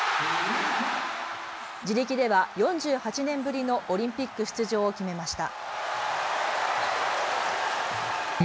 自力では４８年ぶりのオリンピック出場を決めました。